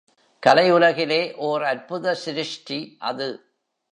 கலை உலகிலே ஓர் அற்புத சிருஷ்டி அது.